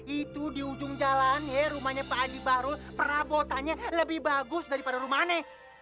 itu di ujung jalan rumahnya pak adi barul perabotannya lebih bagus daripada rumah ane